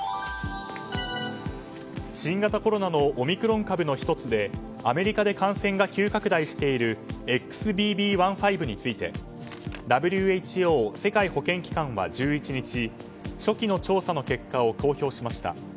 新型コロナのオミクロン株の１つでアメリカで感染が急拡大しているＸＢＢ．１．５についてＷＨＯ・世界保健機関は１１日初期の結果を公表しました。